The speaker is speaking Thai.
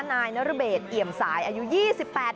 นายนรเบศเอี่ยมสายอายุ๒๘ปี